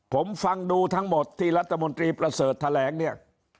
ผมฟังดูทั้งหมดที่รัฐมนตรีประเสริฐแถลงเนี่ย